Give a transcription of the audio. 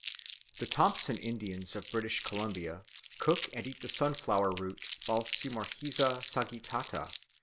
The Thompson Indians of British Columbia cook and eat the sunflower root (Balsamorrhiza sagittata, Nutt.)